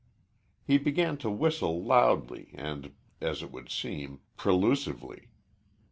He began to whistle loudly and, as it would seem, prelusively.